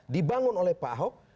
dibangun oleh pak ahok